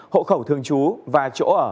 hộ khẩu thường trú và chỗ ở